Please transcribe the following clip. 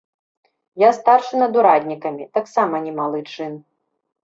Я старшы над ураднікамі, таксама не малы чын.